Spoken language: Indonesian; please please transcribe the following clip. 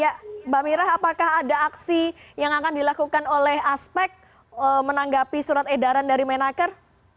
ya mbak mira apakah ada aksi yang akan dilakukan oleh aspek menanggapi surat edaran dari menaker